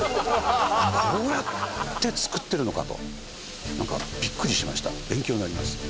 こうやって作ってるのかと何かビックリしました勉強になります